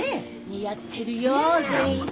似合ってるよ善一！